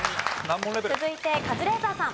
続いてカズレーザーさん。